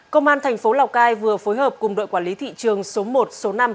công an thành phố lào cai vừa phối hợp cùng đội quản lý thị trường số một số năm